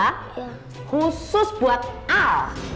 khusus buat al